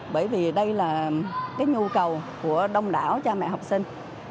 bởi vì đây là cái nhu cầu của đông đảo cha mẹ học sinh